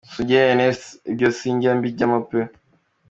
Sugira Ernest: Ibyo sinjya mbijyamo pe.